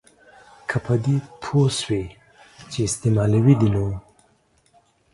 که په دې پوه سوې چي استعمالوي دي نو